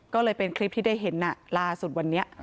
ก็เลยเป็นคลิปที่ได้เห็นล่าสุดวันนี้